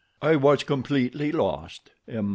"I was completely lost," M.